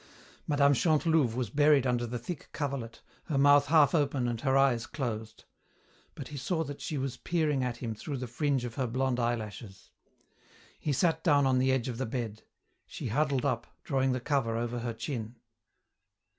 Mme. Chantelouve was buried under the thick coverlet, her mouth half open and her eyes closed; but he saw that she was peering at him through the fringe of her blonde eyelashes. He sat down on the edge of the bed. She huddled up, drawing the cover over her chin.